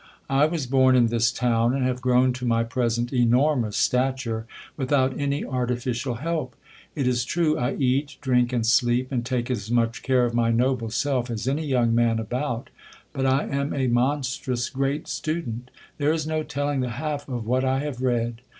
I was born in this town ; and have grown to my present enormous stature, without any artificial help. It is true, I eat, drink, and sleep, and take as much care of my noble self, as any young man about ; but I am a monstrous great student. There is no telling the half of what I have read.